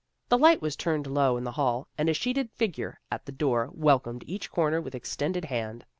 The light was turned low in the hall, and a sheeted figure at the door wel comed each comer with extended hand.